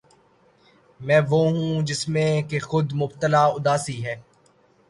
میں وہ ہوں جس میں کہ خود مبتلا اُداسی ہے